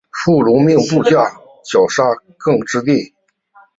谢禄命部下绞杀更始帝。